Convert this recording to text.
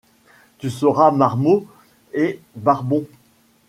Tu seras marmot et barbon ;